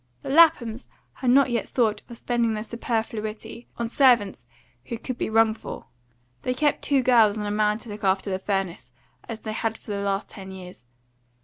The Laphams had not yet thought of spending their superfluity on servants who could be rung for; they kept two girls and a man to look after the furnace, as they had for the last ten years.